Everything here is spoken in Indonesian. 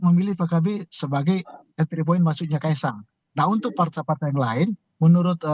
memilih pkb sebagai entry point masuknya kaisang nah untuk partai partai yang lain menurut